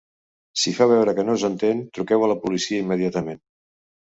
Si fa veure que no us entén, truqueu a la policia immediatament”.